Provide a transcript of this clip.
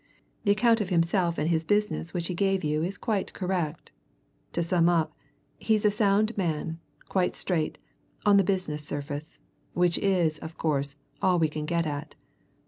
The account of himself and his business which he gave to you is quite correct. To sum up he's a sound man quite straight on the business surface, which is, of course, all we can get at.